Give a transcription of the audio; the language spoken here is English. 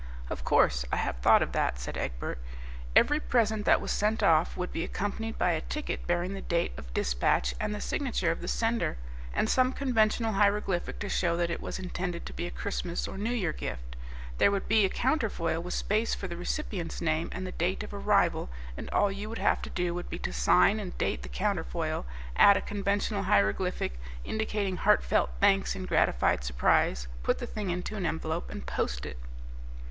"Of course, I have thought of that," said Egbert; "every present that was sent off would be accompanied by a ticket bearing the date of dispatch and the signature of the sender, and some conventional hieroglyphic to show that it was intended to be a Christmas or New Year gift; there would be a counterfoil with space for the recipient's name and the date of arrival, and all you would have to do would be to sign and date the counterfoil, add a conventional hieroglyphic indicating heartfelt thanks and gratified surprise, put the thing into an envelope and post it."